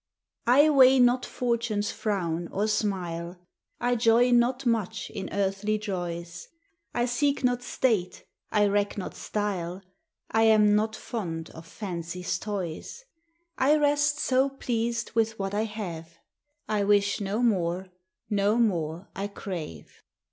I weigh not fortune's frown or smile ; I joy not much in earthly joys ; I seek not state, I reck not style ; I am not fond of fancy's t<>\ I rest so pleased with what I have, I wish no more, no more I crave.